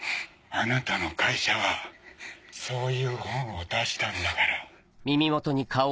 あなたの会社はそういう本を出したんだから。